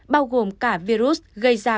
bao gồm cả virus gây ra